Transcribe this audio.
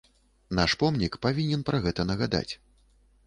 Наш помнік павінен пра гэта нагадаць.